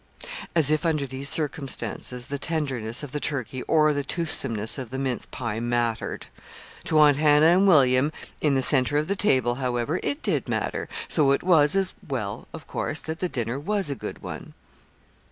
As if, under these circumstances, the tenderness of the turkey or the toothsomeness of the mince pie mattered! To Aunt Hannah and William, in the centre of the table, however, it did matter; so it was well, of course, that the dinner was a good one.